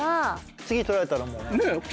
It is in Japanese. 次取られたらもうね。